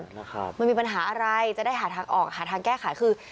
นะครับมันมีปัญหาอะไรจะได้หาทางออกหาทางแก้ไขคือ